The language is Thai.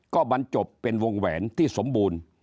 ก็บรรจบเป็นวงแหวนที่สมบูรณ์